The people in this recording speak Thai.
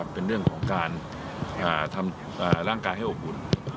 เป็นเรื่องของการทำร่างกายให้อบอุ่น